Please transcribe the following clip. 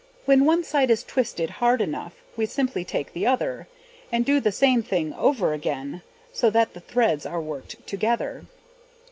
When one side is twisted hard enough, We simply take the other, And do the same thing over again, So that the threads are worked together.